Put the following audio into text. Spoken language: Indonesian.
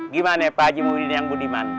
gimana ya pak haji mau bini yang budiman